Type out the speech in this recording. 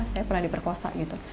saya pernah diperkosa gitu